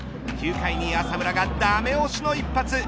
９回に浅村がダメ押しの一発。